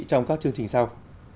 trong các chương trình sau